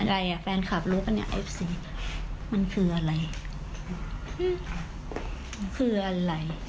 อะไรอ่ะแฟนคลับรู้ป่ะเนี่ยเอฟซีมันคืออะไรมันคืออะไร